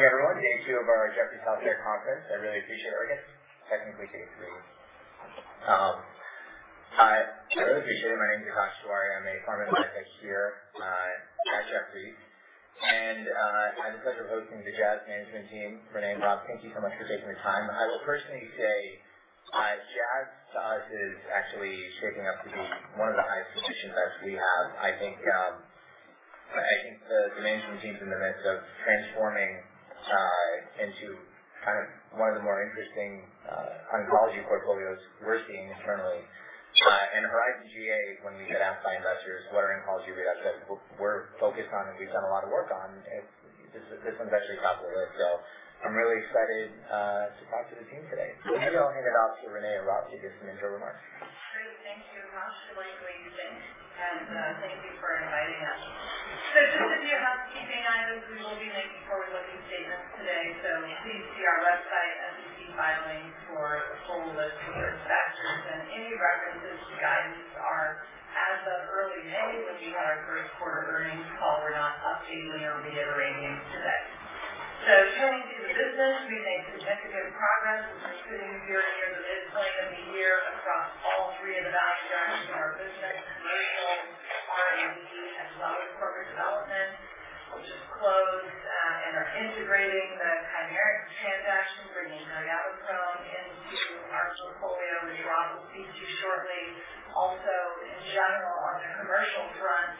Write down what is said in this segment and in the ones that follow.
Good morning, everyone. Day two of our Jefferies Healthcare Conference. I really appreciate it. We're getting technically day three. My name's Akash Tewari. I'm an analyst here at Jefferies. I have the pleasure of hosting the Jazz Management Team. Renee and Rob, thank you so much for taking the time. I will personally say Jazz to us is actually shaping up to be one of the highest-performing events we have. I think the management team's in the midst of transforming into kind of one of the more interesting oncology portfolios we're seeing internally. HERIZON-GEA, when we get asked by investors, "What are oncology readouts we're focused on and we've done a lot of work on?" this one's actually top of the list. So I'm really excited to talk to the team today. Maybe I'll hand it off to Renee and Rob to give some intro remarks. Great. Thank you. We're delighted. Thank you for inviting us. Just to be aware, keep an eye out. We will be making forward-looking statements today. Please see our website or SEC filings for the full list of risk factors. Any references to guidance are as of early May when we had our first quarter earnings call. We're not updating or reiterating today. Turning to the business, we've made significant progress. We're sitting here near the midpoint of the year across all three of the value tracks in our business: commercial, R&D, as well as corporate development, which has closed. They're integrating the Zymeworks transaction, bringing zanidatamab into our portfolio, which Rob will speak to shortly. Also, in general, on the commercial front,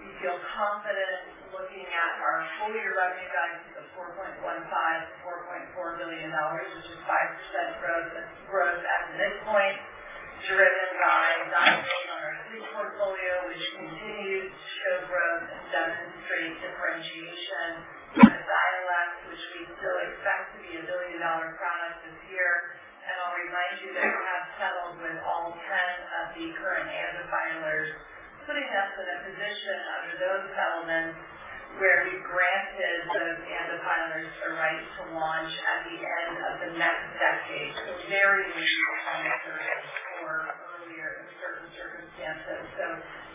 we feel confident looking at our full-year revenue guide to the $4.15 billion-$4.4 billion, which is 5% growth as of this point, driven by not just on our sleep portfolio, which continues to show growth and demonstrate differentiation as Xywav, which we still expect to be a billion-dollar product this year. And I'll remind you that we have settled with all 10 of the current ANDA filers, putting us in a position under those settlements where we've granted those ANDA filers a right to launch at the end of the next decade. So very neutral kind of scenario for earlier in certain circumstances. So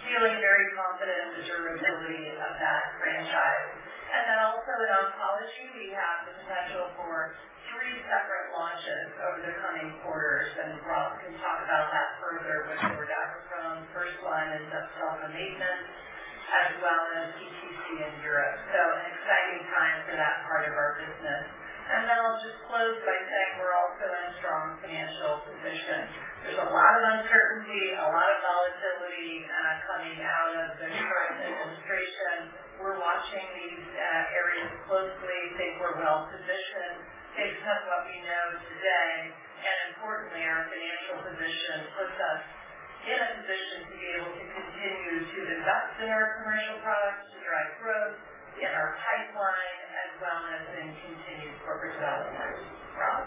feeling very confident in the durability of that franchise. And then also in oncology, we have the potential for three separate launches over the coming quarters. Rob can talk about that further with the Zepzelca, first line, and just second-line maintenance, as well as BTC. in Europe. An exciting time for that part of our business. I'll just close by saying we're also in strong financial position. There's a lot of uncertainty, a lot of volatility coming out of the current administration. We're watching these areas closely. I think we're well-positioned based on what we know today. Importantly, our financial position puts us in a position to be able to continue to invest in our commercial products to drive growth in our pipeline, as well as in continued corporate development. Rob?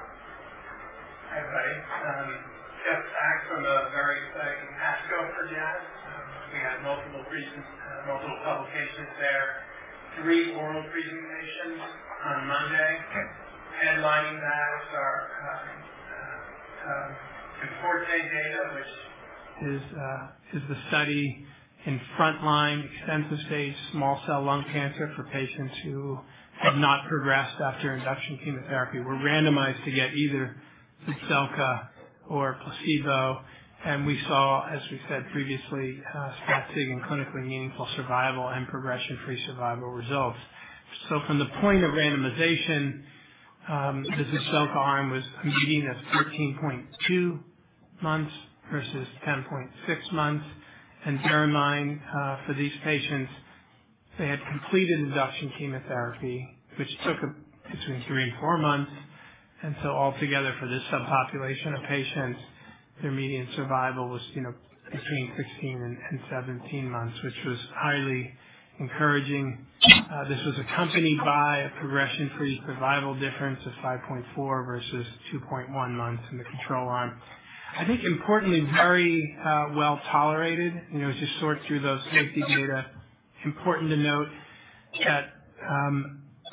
Hi, everybody. Just back from a very exciting ASCO for Jazz. We had multiple publications there, three oral presentations on Monday. Headlining that is our IMforte data, which is the study in frontline extensive stage small cell lung cancer for patients who have not progressed after induction chemotherapy. We're randomized to get either Zepzelca or placebo, and we saw, as we said previously, statistically and clinically meaningful survival and progression-free survival results, so from the point of randomization, the Zepzelca arm was a median of 14.2 months versus 10.6 months, and therein lies, for these patients, they had completed induction chemotherapy, which took between three and four months, and so altogether, for this subpopulation of patients, their median survival was between 16 and 17 months, which was highly encouraging. This was accompanied by a progression-free survival difference of 5.4 versus 2.1 months in the control arm. I think importantly, very well tolerated. Just sort through those safety data. Important to note that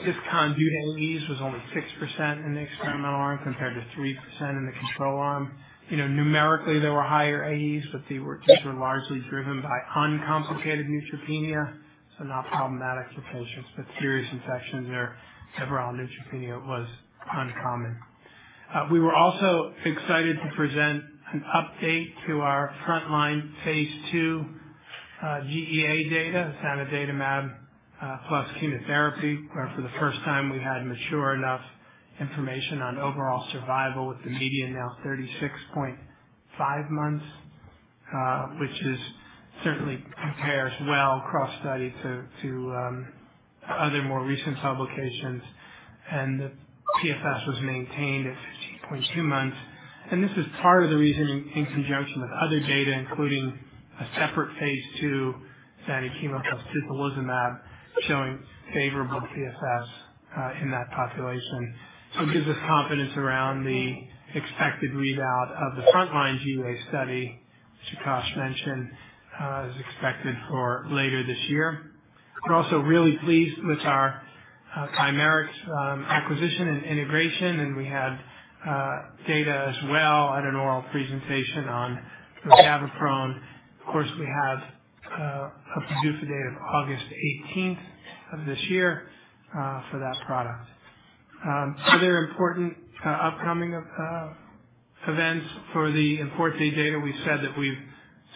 this Grade 3/4 AEs was only 6% in the experimental arm compared to 3% in the control arm. Numerically, there were higher AEs, but these were largely driven by uncomplicated neutropenia, so not problematic for patients, but serious infections or overall neutropenia was uncommon. We were also excited to present an update to our frontline phase two GEA data, zanidatamab plus chemotherapy, where for the first time we had mature enough information on overall survival with the median now 36.5 months, which certainly compares well cross-study to other more recent publications, and the PFS was maintained at 15.2 months, and this is part of the reason in conjunction with other data, including a separate phase two zanidatamab chemo plus tislelizumab, showing favorable PFS in that population. It gives us confidence around the expected readout of the frontline GEA study, which Akash mentioned is expected for later this year. We're also really pleased with our Zymeworks acquisition and integration. We had data as well at an oral presentation on Zepzelca. Of course, we have a brief update of August 18th of this year for that product. Other important upcoming events for the IMforte data. We said that we've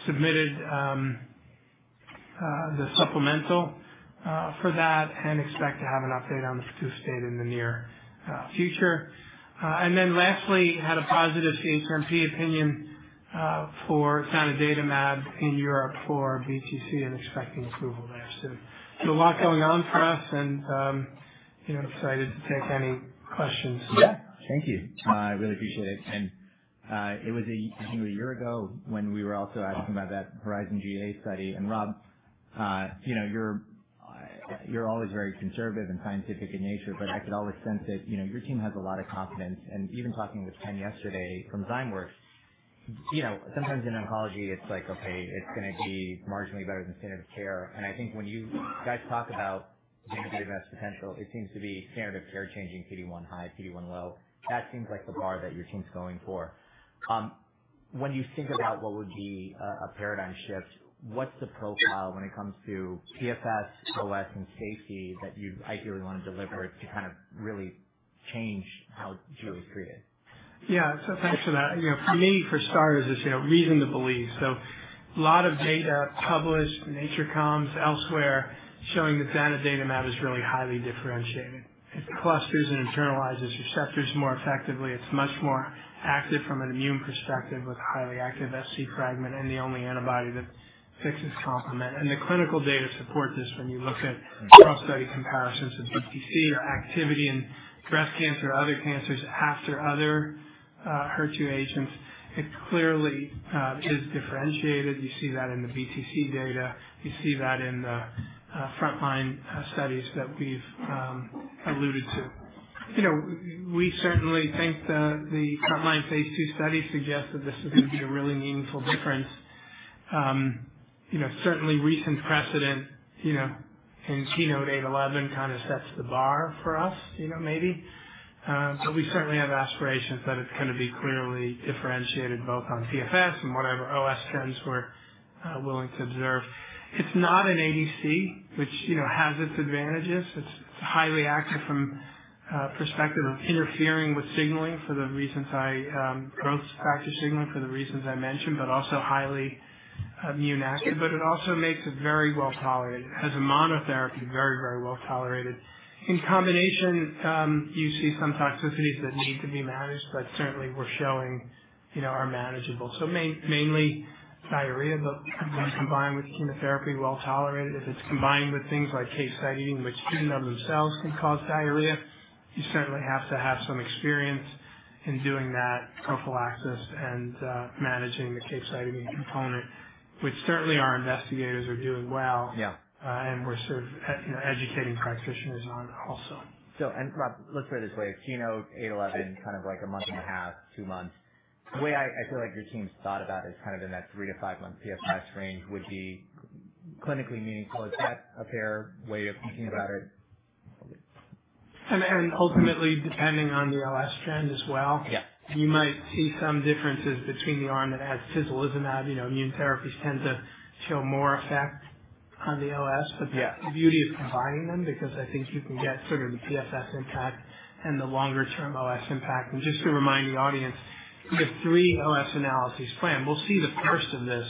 submitted the supplemental for that and expect to have an update on the brief state in the near future. Lastly, we had a positive CHMP opinion for zanidatamab in Europe for BTC and expecting approval there soon. A lot going on for us. I'm excited to take any questions. Yeah. Thank you. I really appreciate it. And it was a year ago when we were also asking about that HERIZON-GEA-01 study. And Rob, you're always very conservative and scientific in nature, but I could always sense that your team has a lot of confidence. And even talking with Ken yesterday from Zymeworks, sometimes in oncology, it's like, "Okay, it's going to be marginally better than standard of care." And I think when you guys talk about being the best potential, it seems to be standard of care changing PD-1 high, PD-1 low. That seems like the bar that your team's going for. When you think about what would be a paradigm shift, what's the profile when it comes to PFS, OS, and safety that you'd ideally want to deliver to kind of really change how GEA treated? Yeah. So thanks for that. For me, for starters, it's reason to believe. So a lot of data published, Nature Communications, elsewhere, showing that zanidatamab is really highly differentiated. It clusters and internalizes receptors more effectively. It's much more active from an immune perspective with highly active Fc fragment and the only antibody that fixes complement. And the clinical data support this when you look at cross-study comparisons of BTC or activity in breast cancer or other cancers after other HER2 agents. It clearly is differentiated. You see that in the BTC data. You see that in the frontline studies that we've alluded to. We certainly think the frontline phase two study suggests that this is going to be a really meaningful difference. Certainly, recent precedent in Keynote-811 kind of sets the bar for us, maybe. But we certainly have aspirations that it's going to be clearly differentiated both on PFS and whatever OS trends we're willing to observe. It's not an ADC, which has its advantages. It's highly active from the perspective of interfering with signaling for the reasons HER2 growth factor signaling for the reasons I mentioned, but also highly immune active. But it also makes it very well tolerated. As a monotherapy, very, very well tolerated. In combination, you see some toxicities that need to be managed, but certainly we're showing are manageable. So mainly diarrhea, but when combined with chemotherapy, well tolerated. If it's combined with things like capecitabine, which in and of themselves can cause diarrhea, you certainly have to have some experience in doing that prophylaxis and managing the capecitabine component, which certainly our investigators are doing well. And we're sort of educating practitioners on also. And Rob, let's put it this way. Keynote-811, kind of like a month and a half, two months. The way I feel like your team's thought about it is kind of in that three- to five-month PFS range would be clinically meaningful. Is that a fair way of thinking about it? And ultimately, depending on the OS trend as well, you might see some differences between the arm that has Tislelizumab. Immune therapies tend to show more effect on the OS. But the beauty of combining them because I think you can get sort of the PFS impact and the longer-term OS impact. And just to remind the audience, we have three OS analyses planned. We'll see the first of this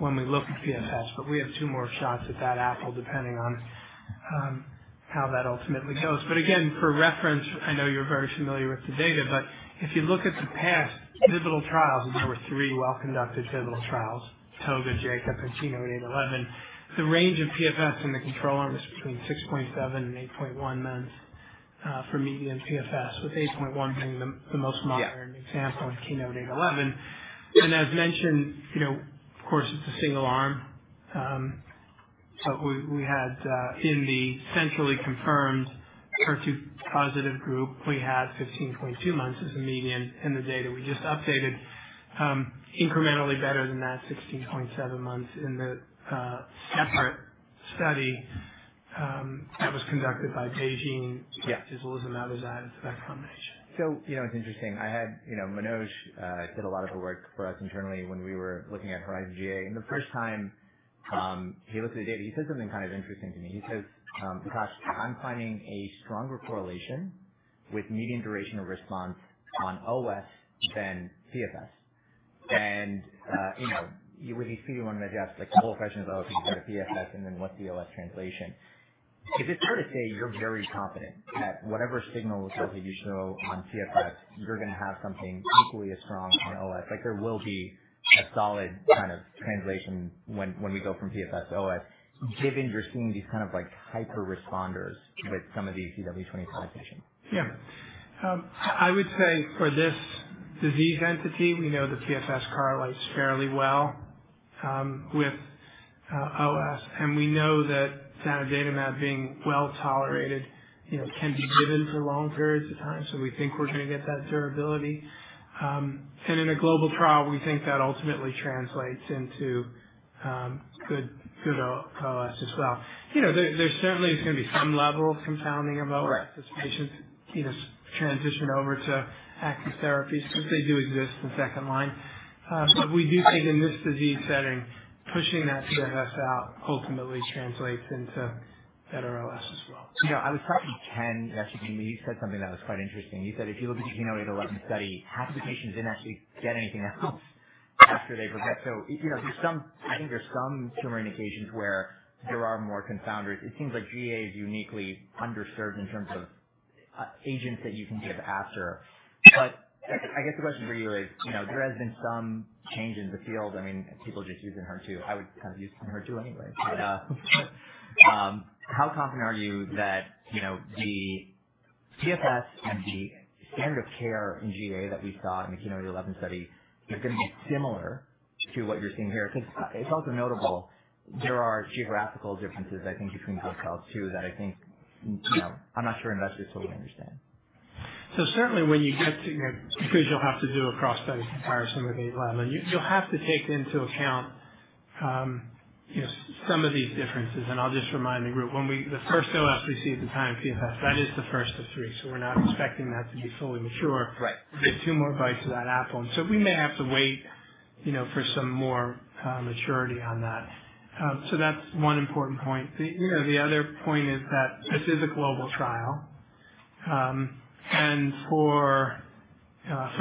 when we look at PFS, but we have two more shots at that apple, depending on how that ultimately goes. But again, for reference, I know you're very familiar with the data, but if you look at the past pivotal trials, and there were three well-conducted pivotal trials: ToGA, JACOB, and Keynote-811, the range of PFS in the control arm is between 6.7 and 8.1 months for median PFS, with 8.1 being the most modern example in Keynote-811. As mentioned, of course, it's a single arm. We had in the centrally confirmed HER2 positive group, we had 15.2 months as a median in the data we just updated, incrementally better than that 16.7 months in the separate study that was conducted by BeiGene. Tislelizumab as added to that combination. It's interesting. I had Manoj did a lot of the work for us internally when we were looking at HERIZON-GEA-01. And the first time he looked at the data, he said something kind of interesting to me. He says, "Akash, I'm finding a stronger correlation with median duration of response on OS than PFS." And when he's fielding one of the Jefferies, the whole question is, "Oh, can you go to PFS? And then what's the OS translation?" Is it fair to say you're very confident that whatever signal results that you show on PFS, you're going to have something equally as strong on OS? There will be a solid kind of translation when we go from PFS to OS, given you're seeing these kind of hyper-responders with some of these HER2 connotations? Yeah. I would say for this disease entity, we know the PFS correlates fairly well with OS. And we know that Zanidatamab being well tolerated can be given for long periods of time. So we think we're going to get that durability. And in a global trial, we think that ultimately translates into good OS as well. There certainly is going to be some level of confounding of OS as patients transition over to active therapies because they do exist in the second line. But we do think in this disease setting, pushing that PFS out ultimately translates into better OS as well. I was talking to Ken yesterday, and he said something that was quite interesting. He said if you look at the Keynote-811 study, half of the patients didn't actually get anything else after they progressed, so I think there's some tumor indications where there are more confounders. It seems like GA is uniquely underserved in terms of agents that you can give after, but I guess the question for you is, there has been some change in the field. I mean, people just use it in HER2. I would kind of use it in HER2 anyway. How confident are you that the PFS and the standard of care in GA that we saw in the Keynote-811 study is going to be similar to what you're seeing here? Because it's also notable there are geographical differences, I think, between both studies too that I think I'm not sure investors totally understand. So, certainly when you get to because you'll have to do a cross-study comparison with Keynote-811. You'll have to take into account some of these differences. I'll just remind the group: when we see the first OS we see at the time of PFS, that is the first of three. We're not expecting that to be fully mature. We get two more bites of that apple. We may have to wait for some more maturity on that. That's one important point. The other point is that this is a global trial. For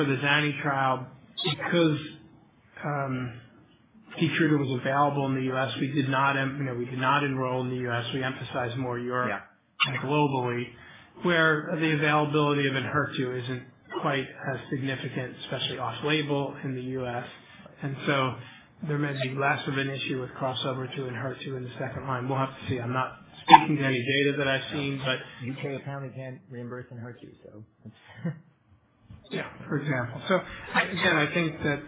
the zanidatamab trial, because Keytruda was available in the U.S., we did not enroll in the U.S. We emphasize more Europe and globally, where the availability of Enhertu isn't quite as significant, especially off-label in the U.S. And so there may be less of an issue with crossover to Enhertu in the second line. We'll have to see. I'm not speaking to any data that I've seen, but. You apparently can't reimburse Enhertu, so. Yeah, for example. So again, I think that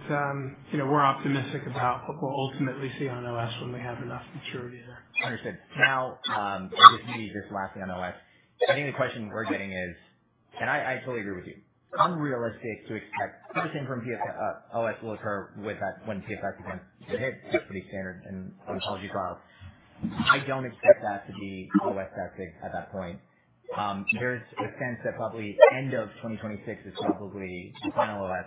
we're optimistic about what we'll ultimately see on OS when we have enough maturity there. Understood. Now, just maybe just lastly on OS, I think the question we're getting is, and I totally agree with you. Unrealistic to expect the same thing from OS will occur when PFS begins to hit. That's pretty standard in oncology trials. I don't expect that to be OS that big at that point. There's a sense that probably end of 2026 is probably final OS.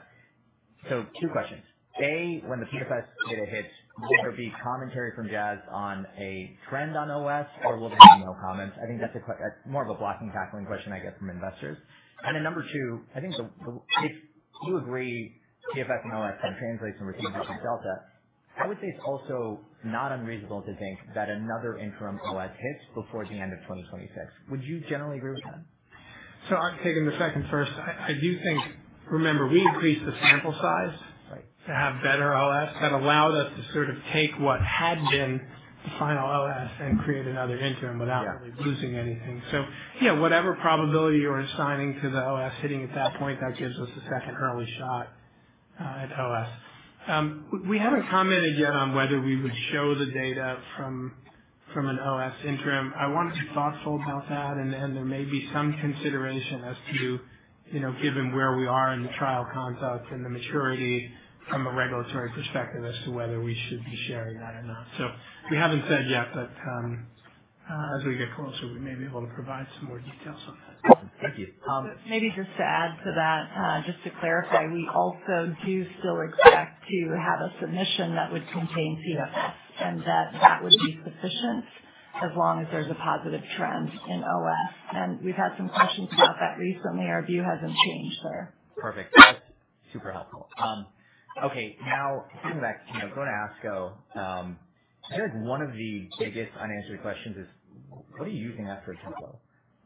So two questions. A, when the PFS data hits, will there be commentary from Jazz on a trend on OS, or will there be no comments? I think that's more of a blocking tackling question I get from investors. And then number two, I think if you agree PFS and OS can translate some repeat vector delta, I would say it's also not unreasonable to think that another interim OS hits before the end of 2026. Would you generally agree with that? So I'm taking the second first. I do think, remember, we increased the sample size to have better OS that allowed us to sort of take what had been the final OS and create another interim without really losing anything. So whatever probability you're assigning to the OS hitting at that point, that gives us a second early shot at OS. We haven't commented yet on whether we would show the data from an OS interim. I want to be thoughtful about that. And there may be some consideration as to, given where we are in the trial conduct and the maturity from a regulatory perspective as to whether we should be sharing that or not. So we haven't said yet, but as we get closer, we may be able to provide some more details on that. Thank you. Maybe just to add to that, just to clarify, we also do still expect to have a submission that would contain PFS and that that would be sufficient as long as there's a positive trend in OS. And we've had some questions about that recently. Our view hasn't changed there. Perfect. That's super helpful. Okay. Now, coming back, going to ASCO, I feel like one of the biggest unanswered questions is, what are you using that for in topoisomerase? Right?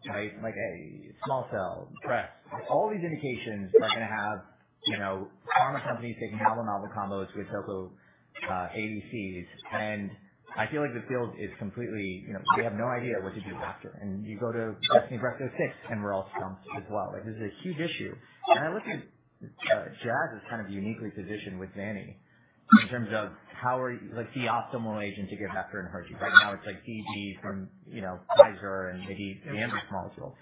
Like a small cell, breast. All these indications are going to have pharma companies taking abominable combos with topoisomerase ADCs. And I feel like the field is completely. We have no idea what to do after. And you go to Destiny-Breast06, and we're all stumped as well. This is a huge issue. And I look at Jazz as kind of uniquely positioned with Zanni in terms of what is the optimal agent to give after Enhertu in HER2. Right now, it's like DV from Pfizer and maybe the Ambrx's molecule.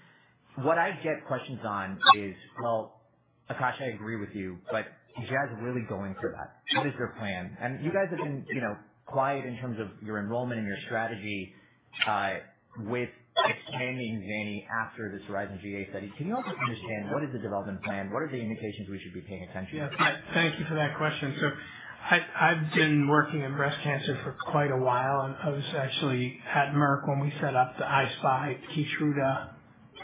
What I get questions on is, well, Akash, I agree with you, but Jazz is really going through that. What is their plan? You guys have been quiet in terms of your enrollment and your strategy with expanding Zanni after the HERIZON-GEA study. Can you also understand what is the development plan? What are the indications we should be paying attention to? Yeah. Thank you for that question. So I've been working in breast cancer for quite a while. I was actually at Merck when we set up the I-SPY, Keytruda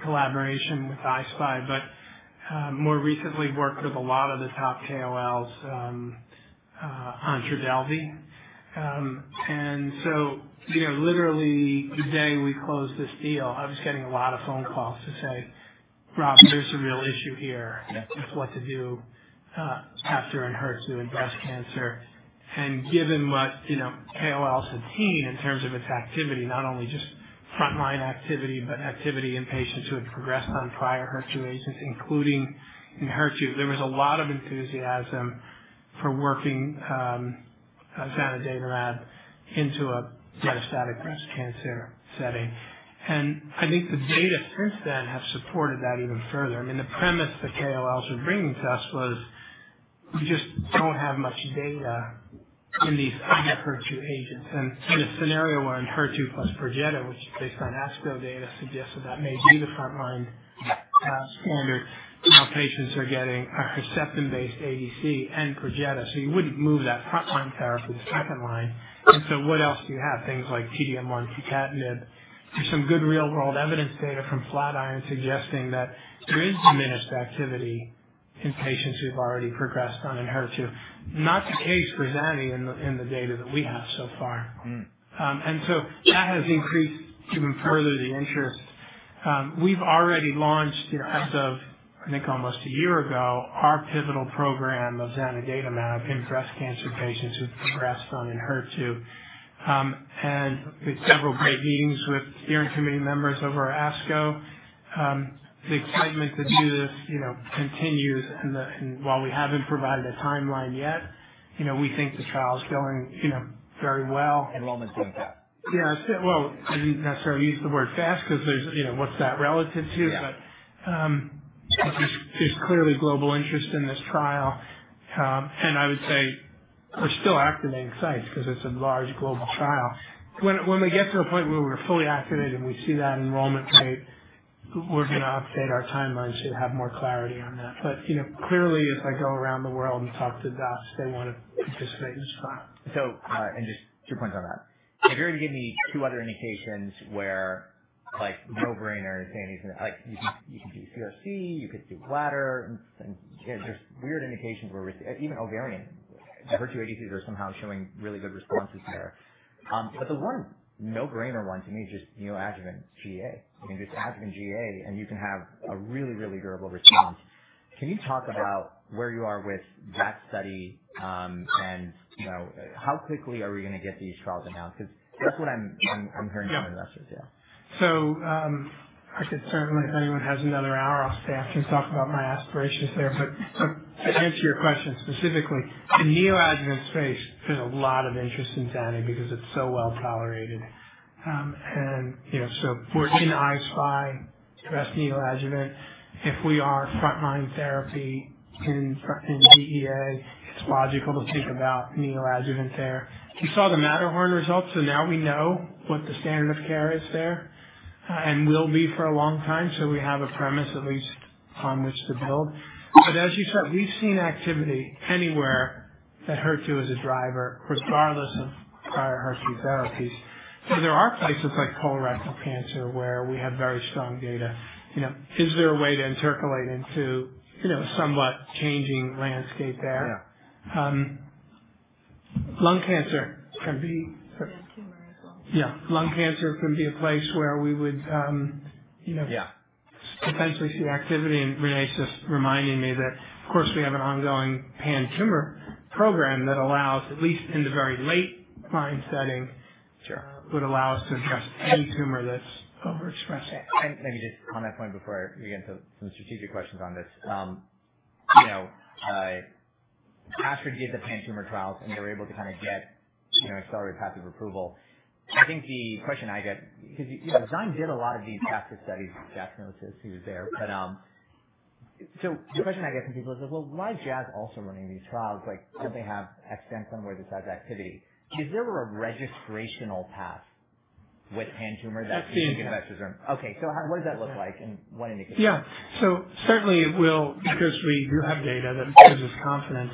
collaboration with I-SPY, but more recently worked with a lot of the top KOLs on Trodelvy. And so literally the day we closed this deal, I was getting a lot of phone calls to say, "Rob, there's a real issue here with what to do after Enhertu and breast cancer." And given what KOLs have seen in terms of its activity, not only just frontline activity, but activity in patients who had progressed on prior HER2 agents, including Enhertu, there was a lot of enthusiasm for working Zanidatamab into a metastatic breast cancer setting. And I think the data since then have supported that even further. I mean, the premise the KOLs were bringing to us was we just don't have much data in these other HER2 agents, and in a scenario where Enhertu plus Perjeta, which is based on ASCO data, suggests that that may be the frontline standard. Now patients are getting a Herceptin-based ADC and Perjeta, so you wouldn't move that frontline therapy to second line, and so what else do you have? Things like PD-1, Keytruda/Mib. There's some good real-world evidence data from Flatiron suggesting that there is diminished activity in patients who've already progressed on Enhertu. Not the case for Zanidatamab in the data that we have so far, and so that has increased even further the interest. We've already launched, as of, I think, almost a year ago, our pivotal program of Zanidatamab in breast cancer patients who've progressed on Enhertu. And we had several great meetings with steering committee members over at ASCO. The excitement to do this continues. And while we haven't provided a timeline yet, we think the trial is going very well. Enrollment's going fast. Yeah. Well, I didn't necessarily use the word fast because, what's that relative to, but there's clearly global interest in this trial. And I would say we're still activating sites because it's a large global trial. When we get to a point where we're fully activated and we see that enrollment rate, we're going to update our timeline so we have more clarity on that. But clearly, as I go around the world and talk to docs, they want to participate in this trial. Just two points on that. If you're going to give me two other indications where no-brainers saying these things, you can do CRC, you could do bladder, and just weird indications where even ovarian HER2 ADCs are somehow showing really good responses there. But the one no-brainer one to me is just neoadjuvant GA. I mean, just adjuvant GA, and you can have a really, really durable response. Can you talk about where you are with that study and how quickly are we going to get these trials announced? Because that's what I'm hearing from investors. Yeah. So I could certainly, if anyone has another hour, I'll stay after and talk about my aspirations there. But to answer your question specifically, in neoadjuvant space, there's a lot of interest in zanidatamab because it's so well tolerated. And so we're in I-SPY, breast neoadjuvant. If we are frontline therapy in GEA, it's logical to think about neoadjuvant there. We saw the Matterhorn results, so now we know what the standard of care is there and will be for a long time. So we have a premise at least on which to build. But as you said, we've seen activity anywhere that HER2 is a driver, regardless of prior HER2 therapies. So there are places like colorectal cancer where we have very strong data. Is there a way to intercalate into a somewhat changing landscape there? Lung cancer can be. Tumor as well. Yeah. Lung cancer can be a place where we would potentially see activity. And Renee's just reminding me that, of course, we have an ongoing pan-tumor program that allows, at least in the very late line setting, would allow us to address any tumor that's overexpressing. And maybe just on that point before we get into some strategic questions on this, after they did the pan-tumor trials and they were able to kind of get accelerated pathway approval, I think the question I get because zanidatamab did a lot of these ASCO studies. Jazz knows this. He was there. So the question I get from people is, well, why is Jazz also running these trials? Don't they have evidence on where this has activity? Is there a registrational path with pan-tumor that you think investors are? That's the interest. Okay, so what does that look like and what indications? Yeah. So certainly, because we do have data that gives us confidence,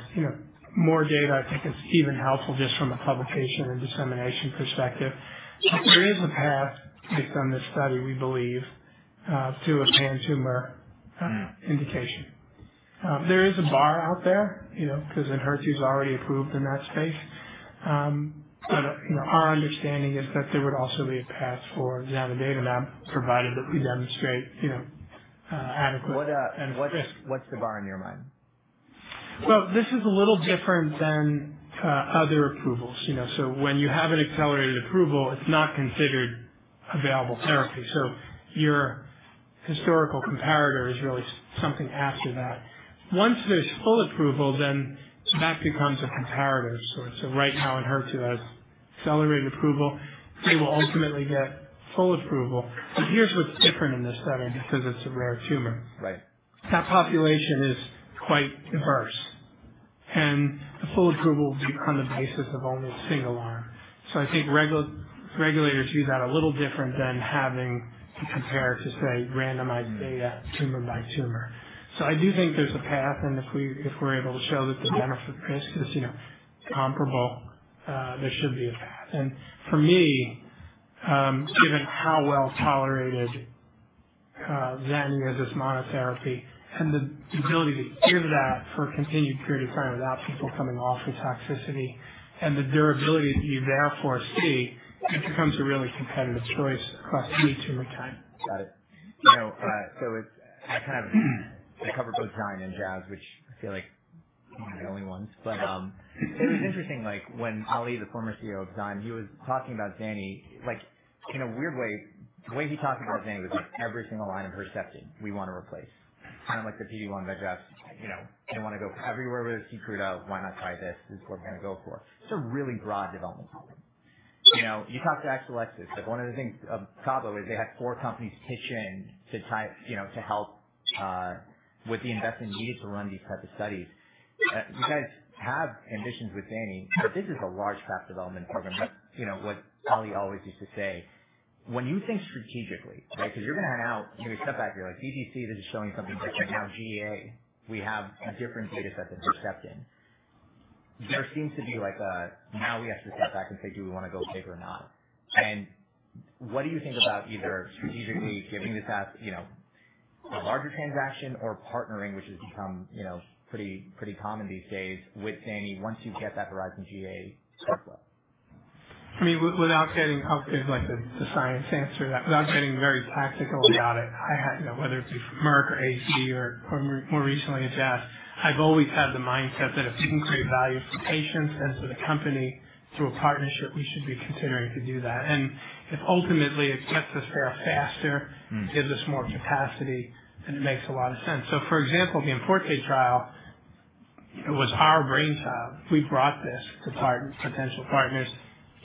more data, I think, is even helpful just from a publication and dissemination perspective. There is a path based on this study, we believe, to a pan-tumor indication. There is a bar out there because Enhertu is already approved in that space. But our understanding is that there would also be a path for Zanidatamab provided that we demonstrate adequate and risk. What's the bar in your mind? This is a little different than other approvals. When you have an accelerated approval, it's not considered available therapy. Your historical comparator is really something after that. Once there's full approval, then that becomes a comparator. Right now in HER2, that's accelerated approval. They will ultimately get full approval. Here's what's different in this study because it's a rare tumor. That population is quite diverse. The full approval will be on the basis of only a single arm. I think regulators view that a little different than having to compare to, say, randomized data, tumor by tumor. I do think there's a path. If we're able to show that the benefit-risk is comparable, there should be a path. For me, given how well tolerated Zanidatamab is as monotherapy and the ability to give that for a continued period of time without people coming off the toxicity and the durability that you therefore see, it becomes a really competitive choice across any tumor type. Got it. So I kind of covered both Zymeworks and Jazz, which I feel like the only ones. But it was interesting when Ali, the former CEO of Zymeworks, he was talking about Zymeworks in a weird way. The way he talked about Zymeworks was like, "Every single line of Herceptin, we want to replace." Kind of like the PD-1 by Jazz. They want to go everywhere with Keytruda. Why not try this? This is what we're going to go for. It's a really broad development problem. You talked to Exelixis. One of the things of Cabo is they had four companies pitch in to help with the investment needed to run these types of studies. You guys have ambitions with Zymeworks, but this is a large-cap development program. That's what Ali always used to say. When you think strategically, right, because you're going to head out, you're going to step back, you're like, "GEA, this is showing something different." Now GEA, we have a different data set than Herceptin. There seems to be. Now we have to step back and say, "Do we want to go big or not?" And what do you think about either strategically giving this as a larger transaction or partnering, which has become pretty common these days with Zanni once you get that HERIZON-GEA-01 approval? I mean, without getting the science answer, without getting very tactical about it, whether it be Merck or AstraZeneca or more recently at Jazz, I've always had the mindset that if we can create value for patients and for the company through a partnership, we should be considering to do that. And if ultimately it sets us there faster, gives us more capacity, then it makes a lot of sense. So for example, the IMforte trial was our brainchild. We brought this to potential partners.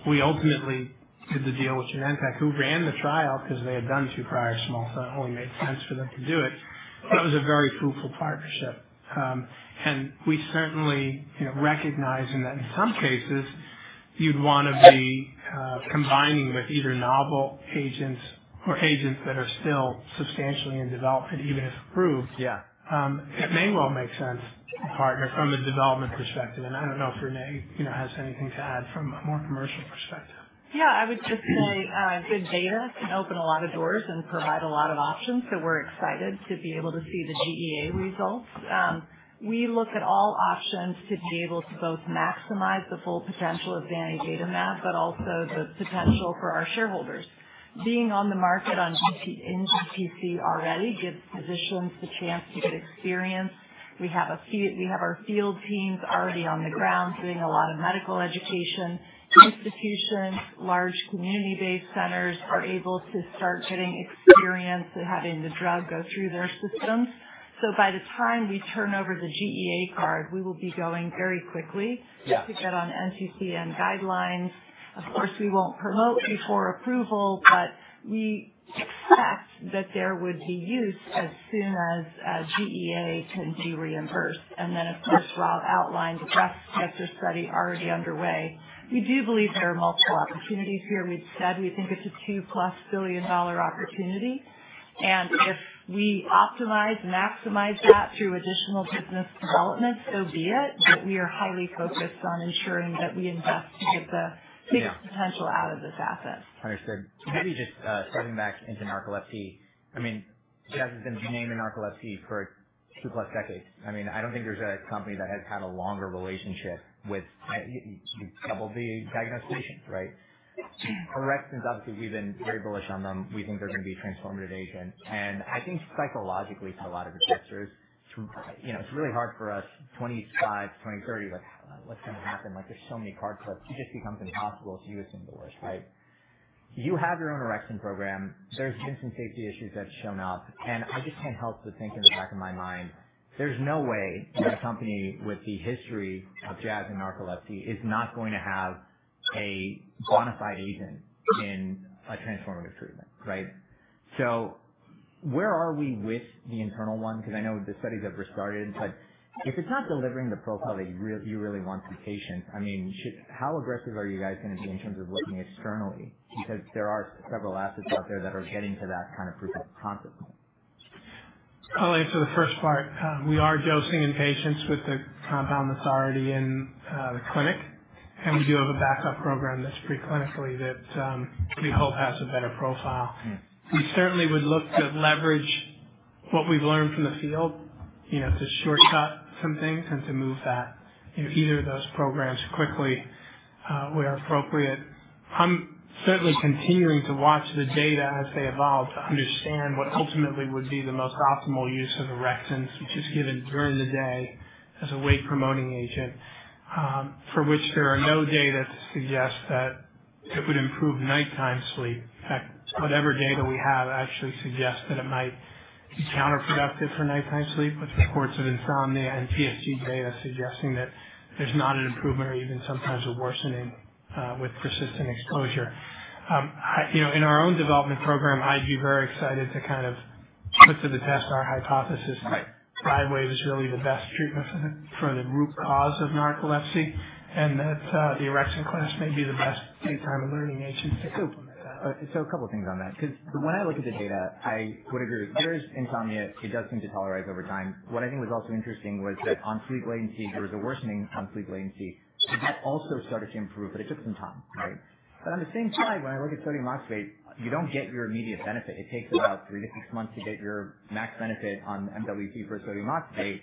We ultimately did the deal with Genentech, who ran the trial because they had done two prior small cell. It only made sense for them to do it. That was a very fruitful partnership. And we certainly recognize that in some cases, you'd want to be combining with either novel agents or agents that are still substantially in development, even if approved. It may well make sense to partner from a development perspective. And I don't know if Renee has anything to add from a more commercial perspective. Yeah. I would just say good data can open a lot of doors and provide a lot of options. So we're excited to be able to see the GEA results. We look at all options to be able to both maximize the full potential of zanidatamab, but also the potential for our shareholders. Being on the market in BTC already gives physicians the chance to get experience. We have our field teams already on the ground doing a lot of medical education. Institutions, large community-based centers are able to start getting experience and having the drug go through their systems. So by the time we turn over the GEA card, we will be going very quickly to get on NCCN guidelines. Of course, we won't promote before approval, but we expect that there would be use as soon as GEA can be reimbursed. And then, of course, Rob outlined the breast cancer study already underway. We do believe there are multiple opportunities here. We've said we think it's a $2-plus billion opportunity. And if we optimize, maximize that through additional business development, so be it, but we are highly focused on ensuring that we invest to get the biggest potential out of this asset. Understood. Maybe just stepping back into narcolepsy. I mean, Jazz has been the name in narcolepsy for two-plus decades. I mean, I don't think there's a company that has had a longer relationship with double the diagnosed patients, right? For orexin, obviously, we've been very bullish on them. We think they're going to be a transformative agent. And I think psychologically, for a lot of the sectors, it's really hard for us 25, 20, 30, what's going to happen? There's so many key players. It just becomes impossible to do a single risk, right? You have your own orexin program. There's been some safety issues that have shown up. And I just can't help but think in the back of my mind, there's no way a company with the history of Jazz and narcolepsy is not going to have a bona fide agent in a transformative treatment, right? So where are we with the internal one? Because I know the studies have restarted. But if it's not delivering the profile that you really want from patients, I mean, how aggressive are you guys going to be in terms of looking externally? Because there are several assets out there that are getting to that kind of proof of concept. I'll answer the first part. We are dosing in patients with the compound that's already in the clinic, and we do have a backup program that's preclinically that we hope has a better profile. We certainly would look to leverage what we've learned from the field to shortcut some things and to move either of those programs quickly where appropriate. I'm certainly continuing to watch the data as they evolve to understand what ultimately would be the most optimal use of orexin, which is given during the day as a weight-promoting agent, for which there are no data to suggest that it would improve nighttime sleep. In fact, whatever data we have actually suggests that it might be counterproductive for nighttime sleep, with reports of insomnia and PSG data suggesting that there's not an improvement or even sometimes a worsening with persistent exposure. In our own development program, I'd be very excited to kind of put to the test our hypothesis that Xywav is really the best treatment for the root cause of narcolepsy and that the Orexin class may be the best daytime alerting agent to implement that. So a couple of things on that. Because when I look at the data, I would agree. There is insomnia. It does seem to tolerate over time. What I think was also interesting was that on sleep latency, there was a worsening on sleep latency. That also started to improve, but it took some time, right? But on the same side, when I look at sodium oxybate, you don't get your immediate benefit. It takes about three to six months to get your max benefit on MWC for sodium oxybate.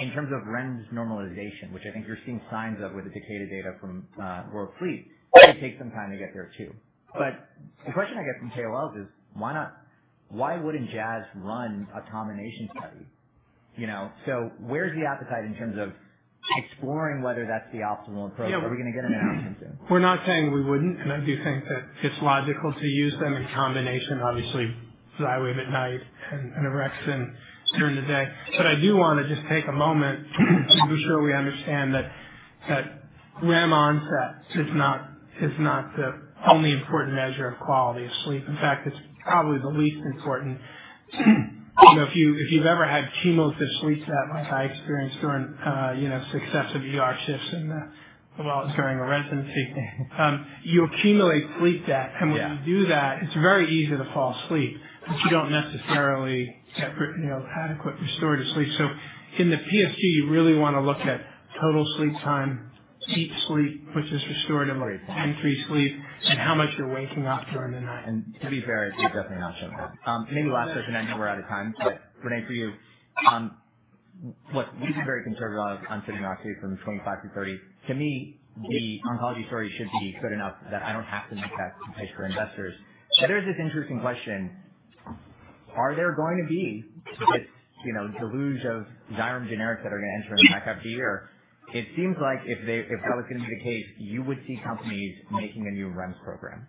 In terms of REMS normalization, which I think you're seeing signs of with the phase 3 data from World Sleep, it may take some time to get there too. But the question I get from KOLs is, why wouldn't Jazz run a combination study? So where's the appetite in terms of exploring whether that's the optimal approach? Are we going to get an announcement soon? We're not saying we wouldn't. And I do think that it's logical to use them in combination, obviously, Xywav at night and orexin during the day. But I do want to just take a moment to be sure we understand that REM onset is not the only important measure of quality of sleep. In fact, it's probably the least important. If you've ever had chunks of sleep debt like I experienced during successive shifts and while I was in residency, you accumulate sleep debt. And when you do that, it's very easy to fall asleep, but you don't necessarily get adequate restorative sleep. So in the PSG, you really want to look at total sleep time, deep sleep, which is restorative, and REM sleep, and how much you're waking up during the night. To be fair, you're definitely not showing that. Maybe last question. I know we're out of time. But Renee, for you, we've been very conservative on sodium oxybate from 25 to 30. To me, the oncology story should be good enough that I don't have to make that complaint for investors. But there's this interesting question. Are there going to be this deluge of Xyrem generics that are going to enter in the back half of the year? It seems like if that was going to be the case, you would see companies making a new REMS program.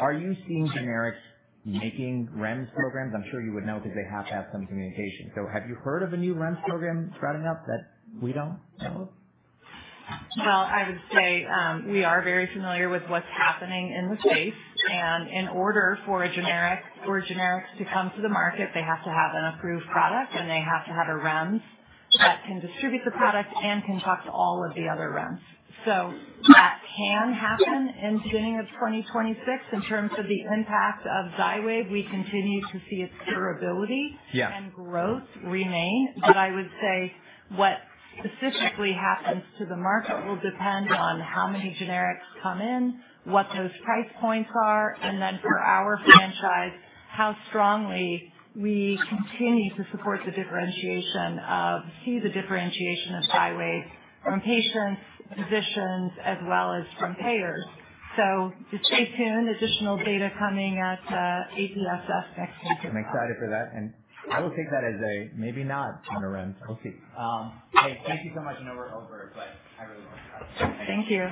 Are you seeing generics making REMS programs? I'm sure you would know because they have to have some communication. So have you heard of a new REMS program sprouting up that we don't know of? I would say we are very familiar with what's happening in the space. In order for generics to come to the market, they have to have an approved product, and they have to have a REMS that can distribute the product and can talk to all of the other REMS. That can happen in the beginning of 2026. In terms of the impact of Xywav, we continue to see its durability and growth remain. I would say what specifically happens to the market will depend on how many generics come in, what those price points are, and then for our franchise, how strongly we continue to support the differentiation of Xywav from patients, physicians, as well as from payers. Just stay tuned. Additional data coming at APSS next week. I'm excited for that, and I will take that as a maybe not on a REMS. We'll see. Hey, thank you so much. I know we're over, but I really love you guys. Thank you.